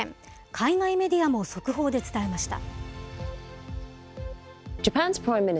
海外メディアも速報で伝えました。